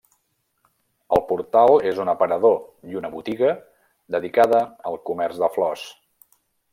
El portal és un aparador i una botiga dedicada al comerç de flors.